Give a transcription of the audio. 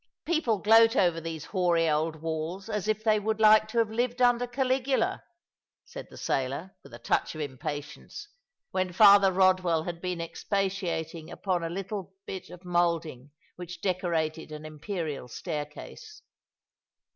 " People gloat over these hoary old walls as if they would like to have lived under Caligula," said the sailor, with a touch of impatience, when Father Eodwell had been ex patiating upon a little bit of moulding which decorated an imperial staircase.